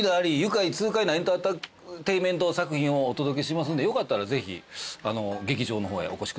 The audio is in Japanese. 愉快痛快なエンターテインメント作品をお届けしますんでよかったらぜひ劇場の方へお越しください。